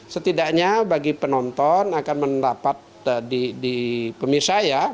setidaknya bagi penonton akan mendapat di pemirsa ya